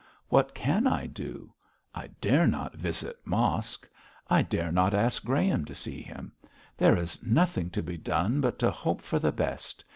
What can I do? I dare not visit Mosk. I dare not ask Graham to see him. There is nothing to be done but to hope for the best.